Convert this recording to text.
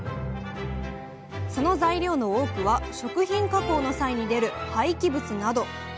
その材料の多くは食品加工の際に出る廃棄物など。